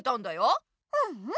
うんうん。